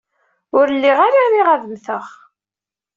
Ur lliɣ ara riɣ ad mmteɣ.